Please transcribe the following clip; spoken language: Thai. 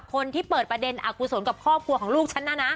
คนที่เปิดประเด็นอากุศลกับครอบครัวของลูกฉันน่ะนะ